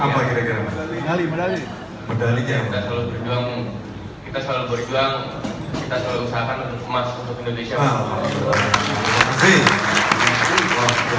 apa kira kira medali medali medali kita selalu berjuang kita selalu berjuang kita selalu usahakan untuk emas untuk indonesia pak